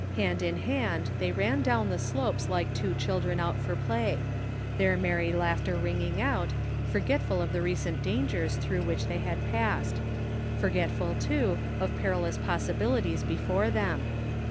Hand in hand they ran down the slopes like two children out for play ; their merry laughter ring ing out, forgetful of the recent dangers through which they had passed; forgetful, too, of perilous possibilities before them.